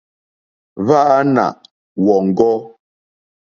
Hwáǃánáá wɔ̀ŋɡɔ́.